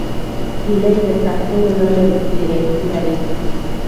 هیلۍ له سختیو نه نه ویره لري